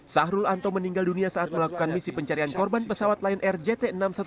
sahrul anto meninggal dunia saat melakukan misi pencarian korban pesawat lion air jt enam ratus sepuluh